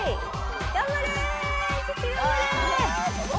頑張れ！